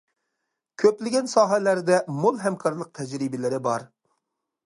كۆپلىگەن ساھەلەردە مول ھەمكارلىق تەجرىبىلىرى بار.